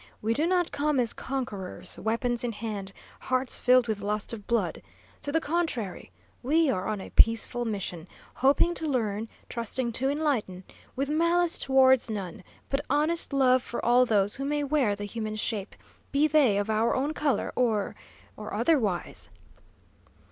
We do not come as conquerors, weapons in hand, hearts filled with lust of blood. To the contrary, we are on a peaceful mission, hoping to learn, trusting to enlighten, with malice towards none, but honest love for all those who may wear the human shape, be they of our own colour or or otherwise."